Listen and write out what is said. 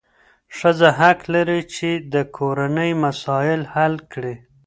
ښځه حق لري چې د کورنۍ مسایل حل کړي.